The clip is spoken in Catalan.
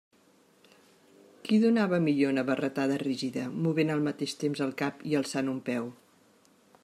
Qui donava millor una barretada rígida, movent al mateix temps el cap i alçant un peu?